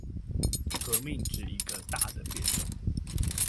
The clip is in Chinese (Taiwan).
革命指一個大的變動